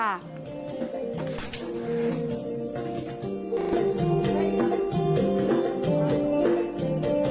แต่บ้างก็ไม่ใส่หน้ากากอนามัยอะค่ะ